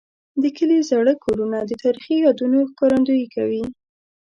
د کلي زاړه کورونه د تاریخي یادونو ښکارندوي کوي.